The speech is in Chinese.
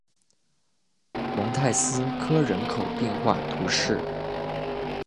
蒙泰斯科人口变化图示